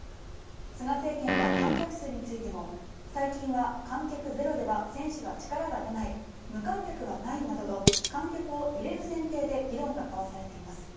菅政権は観客数についても最近は観客ゼロでは選手は力が出ない無観客はないなどと観客を入れる前提で議論が交わされています。